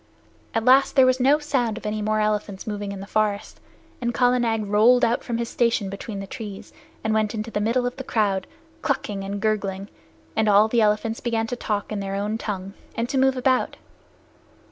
At last there was no sound of any more elephants moving in the forest, and Kala Nag rolled out from his station between the trees and went into the middle of the crowd, clucking and gurgling, and all the elephants began to talk in their own tongue, and to move about.